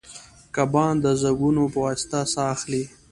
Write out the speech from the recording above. کبان د زګونو په واسطه ساه اخلي